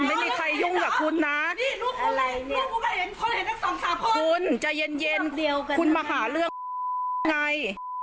ไม่มีใครยุ่งกับคุณนะคุณใจเย็นเย็นคุณมาหาเรื่องยังไง